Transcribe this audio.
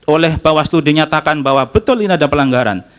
oleh bawaslu dinyatakan bahwa betul ini ada pelanggaran